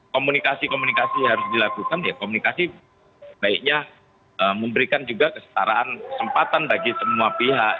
komunikasi komunikasi harus dilakukan ya komunikasi baiknya memberikan juga kesetaraan kesempatan bagi semua pihak